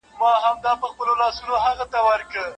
کابله بیا دي اجل راغلی